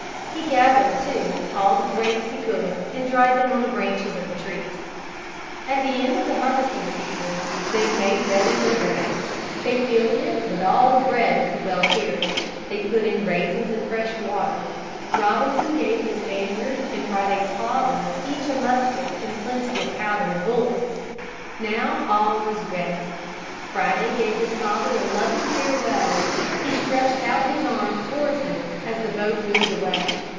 He gathered, too, all the grapes he could and dried them on the branches of trees. At the end of the harvesting season, they made ready their boat. They filled it with all the bread it could well carry. They put in raisins and fresh water. Robinson gave the Spaniard and Friday's father each a musket and plenty of powder and bullets. Now, all was ready. Friday gave his father a loving farewell. He stretched out his arms towards him as the boat moved away.